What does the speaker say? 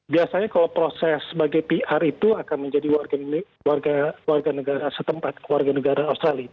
biasanya kalau proses sebagai pr itu akan menjadi warga negara setempat warga negara australia